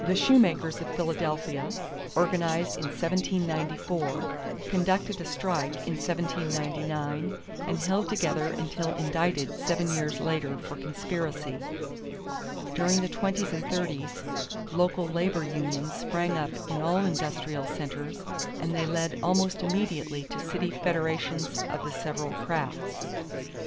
The shoemakers of Philadelphia, organized in 1794, conducted a strike in 1799 and held together until indicted seven years later for conspiracy. During the twenties and thirties, local labor unions sprang up in all industrial centers and they led almost immediately to city federations of the several crafts.